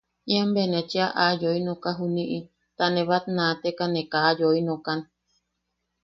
Ian bea ne cheʼa aa yoi noka juniʼi ta ne batnaateka ne kaa yoi nokan.